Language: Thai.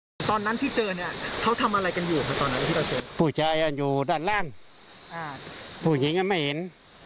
ไม่มีกลิ่นทุกวันเขาจะมีรถเก๋งรถกระบาดก็ยนต์เนี่ย